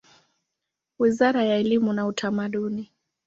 Wizara ya elimu na Utamaduni.